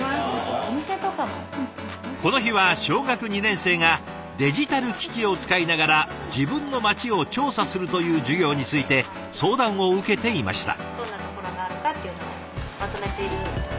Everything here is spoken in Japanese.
この日は小学２年生がデジタル機器を使いながら自分の町を調査するという授業について相談を受けていました。